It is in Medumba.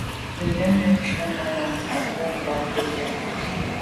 Ndzwə́ zə̄ mɛ̂n shûn Náná ná’ fáŋ bwɔ́ŋkə̂Ɂ tɛ̌n vwá’.